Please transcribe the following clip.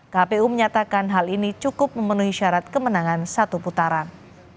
kpu menyatakan hal ini cukup memenuhi syarat kemenangan satu putaran